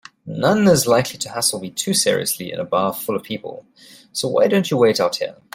Noone is likely to hassle me too seriously in a bar full of people, so why don't you wait out here?